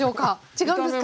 違うんですか？